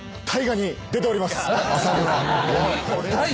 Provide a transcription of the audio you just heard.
朝ドラ。